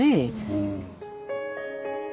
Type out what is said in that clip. うん。